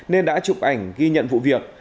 nên đã chụp ảnh ghi nhận vụ việc